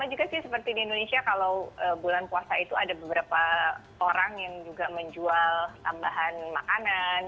sama juga sih seperti di indonesia kalau bulan puasa itu ada beberapa orang yang juga menjual tambahan makanan